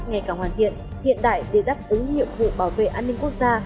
nghe cả hoàn thiện hiện đại đề đắc ứng nhiệm vụ bảo vệ an ninh quốc gia